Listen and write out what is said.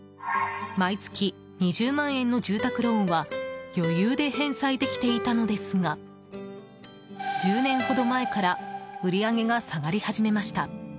毎月２０万円の住宅ローンは余裕で返済できていたのですが１０年ほど前から売り上げが下がり始めました。